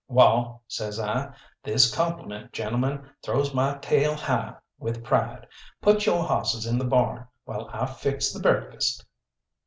"Wall," says I, "this compliment, gentlemen, throws my tail high with pride. Put yo' hawsses in the barn while I fix the breakfast."